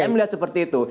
saya melihat seperti itu